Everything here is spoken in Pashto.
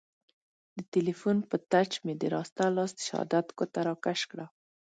د تیلیفون په ټچ مې د راسته لاس د شهادت ګوته را کش کړه.